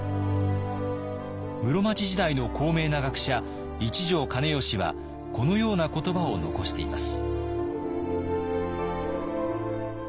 室町時代の高名な学者一条兼良はこのような言葉を残しています。